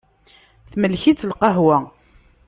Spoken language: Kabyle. Temlek-itt lqahwa.